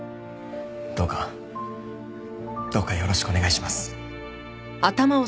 どうかどうかよろしくお願いします。